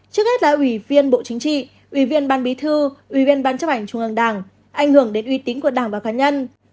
trước hết là ủy viên bộ chính trị ủy viên ban bí thư ủy viên ban chấp hành trung ương đảng ảnh hưởng đến uy tín của đảng và cá nhân